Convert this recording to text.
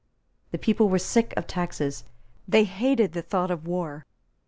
The people were sick of taxes; they hated the thought of war.